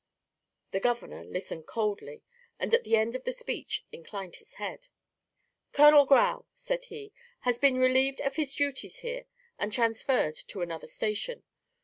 The governor listened coldly and at the end of the speech inclined his head. "Colonel Grau," said he, "has been relieved of his duties here and transferred to another station.